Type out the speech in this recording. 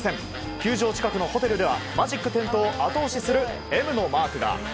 球場近くのホテルではマジック点灯を後押しするＭのマークが。